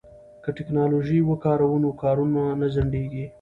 که ټیکنالوژي وکاروو نو کارونه نه ځنډیږي.